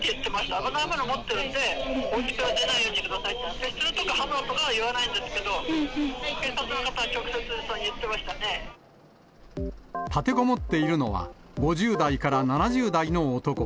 危ないものを持ってるんで、おうちから出ないようにしてくださいって、拳銃とか、刃物とかは言わないんですけど、立てこもっているのは５０代から７０代の男。